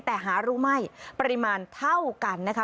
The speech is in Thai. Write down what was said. แต่หารู้ไม่ปริมาณเท่ากันนะคะ